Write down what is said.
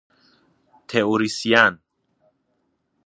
تئوریسین